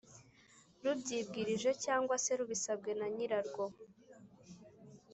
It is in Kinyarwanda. rubyibwirije cyangwa se rubisabwe na nyirarwo.